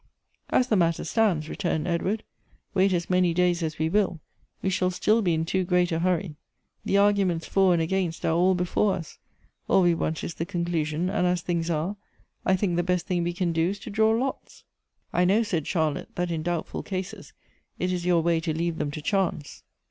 " As the matter stands," returned Edward, " wait as many days as we will, we shall still be in too great a hurry. The arguments for and against are all before us; all we want is the conclusion^ and as things are, I think the best thing we can do is to draw lots." " I know," said Charlotte, " that in doubtful cases it is your way to leave them to chance.